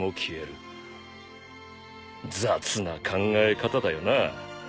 雑な考え方だよな。